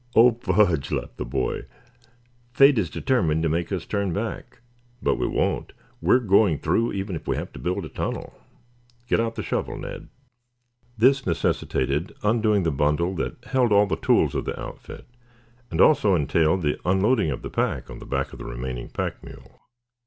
"Oh, fudge!" laughed the boy. "Fate is determined to make us turn back. But we won't! We are going through, even if we have to build a tunnel. Get out the shovel, Ned." This necessitated undoing the bundle that held all the tools of the outfit, and also entailed the unloading of the pack on the back of the remaining pack mule.